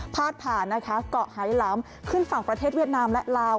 พาดผ่านนะคะเกาะไฮล้ำขึ้นฝั่งประเทศเวียดนามและลาว